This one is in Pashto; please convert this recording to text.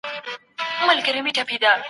حکومتونه څنګه د کډوالو ستونزي حل کوي؟